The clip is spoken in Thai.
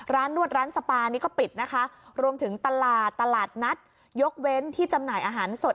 นวดร้านสปานี่ก็ปิดนะคะรวมถึงตลาดตลาดนัดยกเว้นที่จำหน่ายอาหารสด